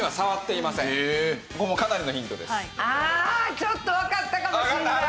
ちょっとわかったかもしれない。